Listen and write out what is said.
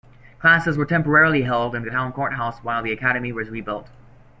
Classes were temporarily held in the town courthouse while the academy was rebuilt.